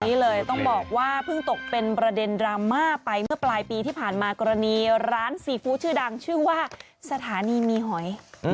นี่เลยต้องบอกว่าเพิ่งตกเป็นประเด็นดราม่าไปเมื่อปลายปีที่ผ่านมากรณีร้านซีฟู้ดชื่อดังชื่อว่าสถานีมีหอย